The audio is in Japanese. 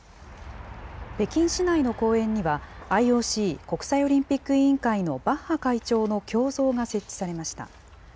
北京市内の公園には、ＩＯＣ・国際オリンピック委員会のバッハ会長の胸像が設置されました。